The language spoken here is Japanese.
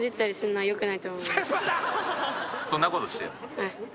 はい。